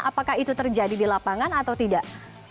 apakah itu terjadi di lapangan atau tidak